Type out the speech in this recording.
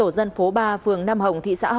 đã bị phòng cảnh sát